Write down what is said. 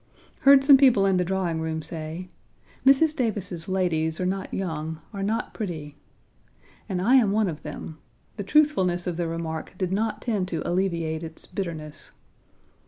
Heard some people in the drawing room say: "Mrs. Davis's ladies are not young, are not pretty," and I am one of them. The truthfulness of the remark did not tend to alleviate its bitterness.